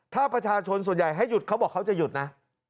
ถ้าประชาชนส่วนใหญ่ให้หยุดเขาบอกเขาจะหยุดนะ